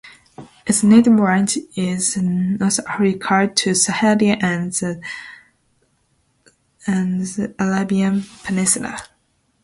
Its native range is northern Africa to Sahel and the Arabian Peninsula.